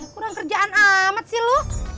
kurang kerjaan amat sih lo